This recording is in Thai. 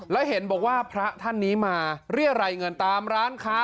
แล้วเห็นบอกว่าพระท่านนี้มาเรียรัยเงินตามร้านค้า